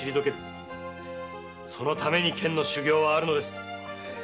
そのために剣の修行はあるのです。